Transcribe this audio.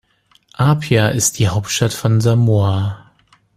Apia ist die Hauptstadt von Samoa.